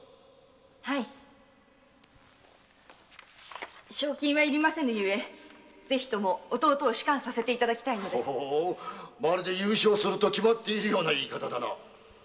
はい賞金は要りませぬが弟を仕官させていただきたいのです。まるで優勝すると決まっているような言い方だな。